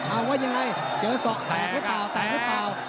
อาวะยังไงเจอสกแถบหรือป่าว